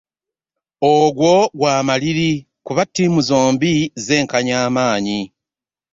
Ogwo gwa maliri kuba ttiimu zombi zenkanya amaanyi.